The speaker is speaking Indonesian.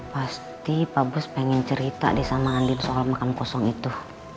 pasti pak bus pengen cerita deh sama andin soal makam kosong itu